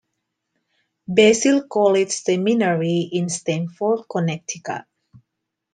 Basil College Seminary in Stamford, Connecticut.